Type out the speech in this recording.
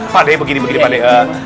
paden begini begini paden